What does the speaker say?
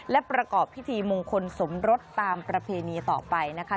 และประกอบพิธีมงคลสมรสตามประเพณีต่อไปนะคะ